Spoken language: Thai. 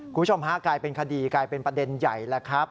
คุณผู้ชมฮะกลายเป็นคดีกลายเป็นประเด็นใหญ่แล้วครับ